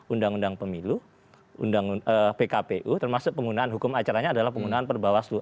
undang undang pemilu pkpu termasuk penggunaan hukum acaranya adalah penggunaan perbawaslu